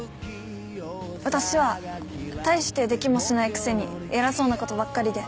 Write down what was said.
私は大してできもしないくせに偉そうなことばっかりで。